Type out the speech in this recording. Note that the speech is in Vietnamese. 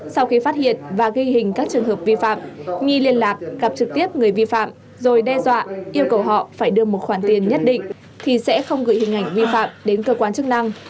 sau khi phát hiện và ghi hình các trường hợp vi phạm nghi liên lạc gặp trực tiếp người vi phạm rồi đe dọa yêu cầu họ phải đưa một khoản tiền nhất định thì sẽ không gửi hình ảnh vi phạm đến cơ quan chức năng